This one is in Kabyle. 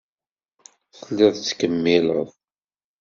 Telliḍ tettkemmileḍ.